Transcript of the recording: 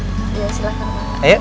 iya silahkan pak